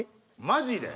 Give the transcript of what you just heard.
マジで？